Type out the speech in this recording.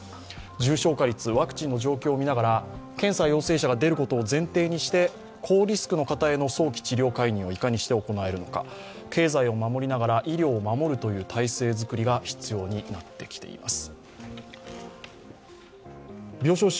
重症化率、ワクチンの状況を見ながら検査陽性者が出ることを前提にして、高リスクの感染者にいかにして行えるのか、経済を守りながら医療を守るという体制づくりが必要になってきています。